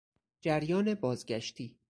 جریان بازگشتی